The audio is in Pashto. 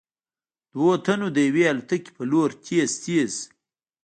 دوو تنو د يوې الوتکې په لور تېز تېز �